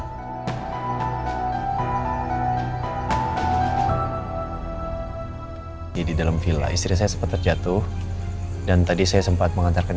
hai jadi dalam villa istri saya sempat terjatuh dan tadi saya sempat mengantarkan